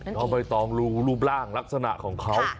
น้องใบตองดูรูปร่างลักษณะของเขา